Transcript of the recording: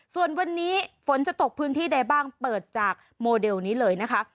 ส่วนวันนี้ฝนจะตกพื้นที่ใดบ้างเปิดจากโมเดลนี้เลยนะคะ